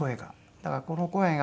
だからこの声が。